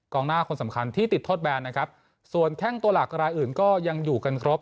หน้าคนสำคัญที่ติดโทษแบนนะครับส่วนแข้งตัวหลักรายอื่นก็ยังอยู่กันครบ